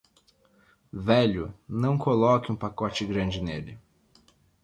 Velho, não coloque um pacote grande nele.